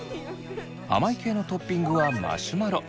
甘い系のトッピングはマシュマロ。